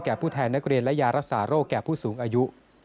แก่ผู้แทงรัฐกรและยารักษาโรคแก่ผู้สูงอายุ